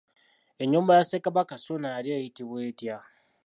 Ennyumba ya Ssekabaka Ssuuna yali eyitibwa etya?